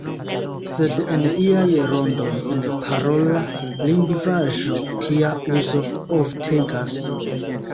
Sed en iaj rondoj, en parola lingvaĵo, tia uzo oftegas.